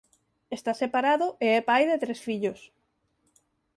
Está separado e é pai de tres fillos.